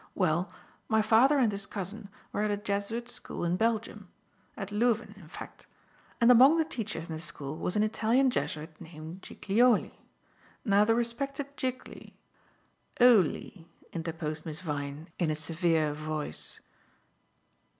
Well, my father and this cousin were at a Jesuit school in Belgium at Louvain, in fact and among the teachers in the school was an Italian Jesuit named Giglioli. Now the respected Giggley "" oli," interposed Miss Vyne in a severe voice.